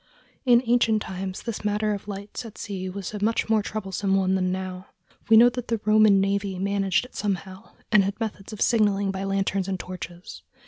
In ancient times this matter of lights at sea was a much more troublesome one than now. We know that the Roman navy managed it somehow, and had methods of signaling by lanterns and torches.